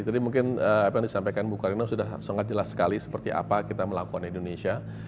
jadi mungkin apa yang disampaikan mbak karina sudah sangat jelas sekali seperti apa kita melakukan di indonesia